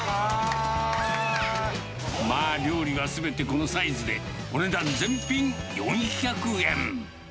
まあ、料理はすべてこのサイズで、お値段全品４００円。